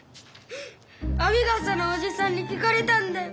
編みがさのおじさんに聞かれたんだよ。